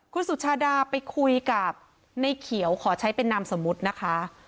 คุณสุชาดาไปคุยกับในเขียวขอใช้เป็นนามสมมุตินะคะ